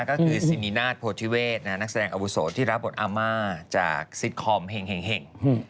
ก็คือซินินาศโพธิเวศนักแสดงอาวุโสที่รับบทอาม่าจากซิตคอมเห็ง